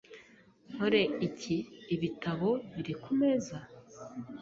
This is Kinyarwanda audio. Nkore iki ibitabo biri kumeza?